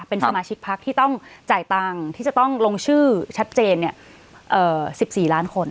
เป็นสมาชิกพักที่ต้องจ่ายตังค์ที่จะต้องลงชื่อชัดเจน๑๔ล้านคน